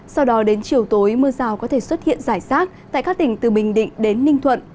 sau đó đến chiều tối mưa rào có thể xuất hiện rải rác tại các tỉnh từ bình định đến ninh thuận